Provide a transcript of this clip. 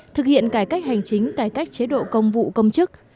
thực hiện cải cách hành chính cải cách chế độ công vụ công chức